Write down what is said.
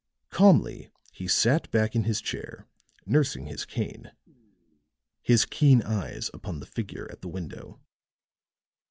Calmly he sat back in his chair, nursing his cane, his keen eyes upon the figure at the window.